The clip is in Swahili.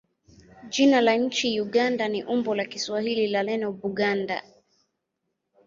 Jina la nchi Uganda ni umbo la Kiswahili la neno Buganda.